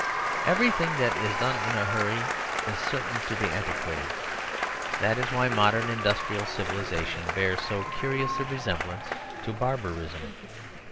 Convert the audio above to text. Everything that is done in a hurry is certain to be antiquated; that is why modern industrial civilisation bears so curious a resemblance to barbarism.